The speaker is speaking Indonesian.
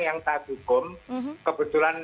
yang tak hukum kebetulan